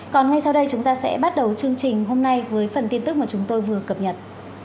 còn ngay sau đây chúng ta sẽ bắt đầu chương trình hôm nay với phần tin tức mà chúng tôi vừa cập nhật